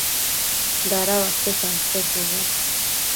dada uate sante shubu